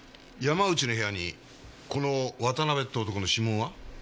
山内の部屋にこの渡辺って男の指紋は？